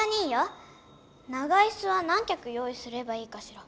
長いすは何きゃく用いすればいいかしら？